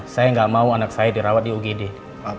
saya gak mau anak saya dirawat di ugeda